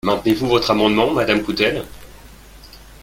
Maintenez-vous votre amendement, madame Coutelle?